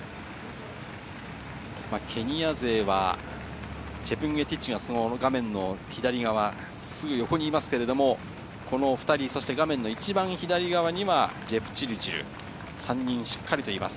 ケニア勢は、チェプンゲティッチが画面の左側、すぐ横にいますけど、この２人、そして画面の一番左側にジェプチルチル、３人しっかりいます。